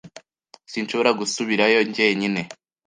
Sinshobora gusubirayo jyenyine.